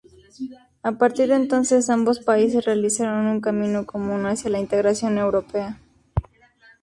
A partir de entonces ambos países realizaron un camino común hacia la integración europea.